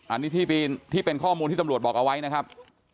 อันนี้ที่เป็นข้อมูลที่ตำรวจบอกเอาไว้นะครับ